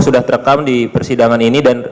sudah terekam di persidangan ini dan